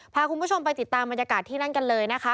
พาคุณผู้ชมไปติดตามบรรยากาศที่นั่นกันเลยนะคะ